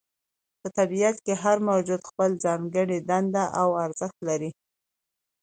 په طبیعت کې هر موجود خپله ځانګړې دنده او ارزښت لري.